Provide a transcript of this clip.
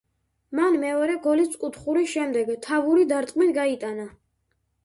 მან მეორე გოლიც კუთხურის შემდეგ, თავური დარტყმით გაიტანა.